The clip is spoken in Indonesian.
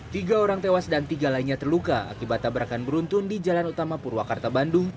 tiga orang tewas dan tiga lainnya terluka akibat tabrakan beruntun di jalan utama purwakarta bandung